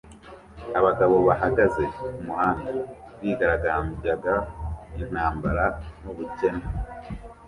Abagabo bahagaze kumuhanda bigaragambyaga intambara nubukene